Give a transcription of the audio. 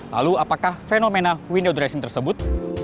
lalu apakah fenomena window dressing tersebut